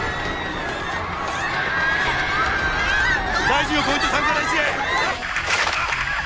大臣をポイント３から１へ。